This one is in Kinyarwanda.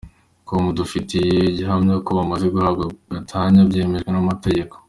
com dufitiye gihamya ko bamaze guhabwa gatanya byemewe n’amategeko.